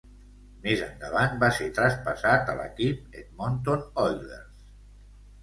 Més endavant va ser traspassat a l'equip Edmonton Oilers.